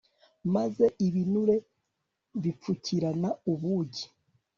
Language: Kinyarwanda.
maze ibinure bipfukirana ubugi